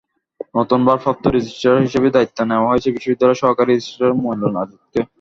নতুন ভারপ্রাপ্ত রেজিস্ট্রার হিসেবে দায়িত্ব দেওয়া হয়েছে বিশ্ববিদ্যালয়ের সহকারী রেজিস্ট্রার মইনুল আজাদকে।